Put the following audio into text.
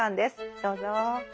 どうぞ。